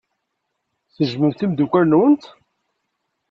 Tejjmemt timeddukal-nwen?